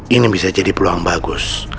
ini bisa jadi peluang bagus